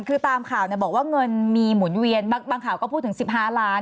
คือตามข่าวบอกว่าเงินมีหมุนเวียนบางข่าวก็พูดถึง๑๕ล้าน